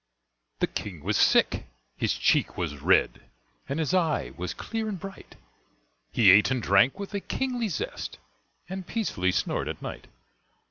The King was sick. His cheek was red And his eye was clear and bright; He ate and drank with a kingly zest, And peacefully snored at night.